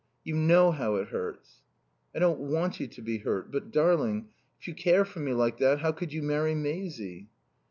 "You know how it hurts." "I don't want you to be hurt But darling if you care for me like that how could you marry Maisie?"